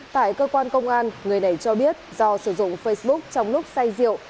tại cơ quan công an người này cho biết do sử dụng facebook trong lúc say rượu